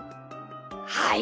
はい。